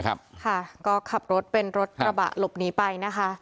ก็ขับรถเป็นรถระขัดหลบหนีไป